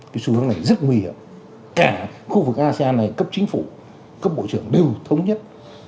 cái xu hướng này rất nguy hiểm cả khu vực asean này cấp chính phủ cấp bộ trưởng đều thống nhất